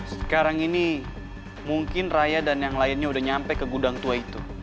sekarang ini mungkin raya dan yang lainnya udah nyampe ke gudang tua itu